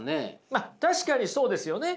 まあ確かにそうですよね。